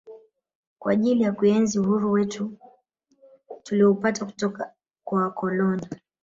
kwa ajili ya kuenzi uhuru wetu tulioupata kutoka kwa wakoloni